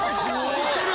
走ってる！